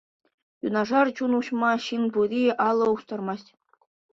Юнашар чуна уҫма ҫын пурри алӑ устармасть.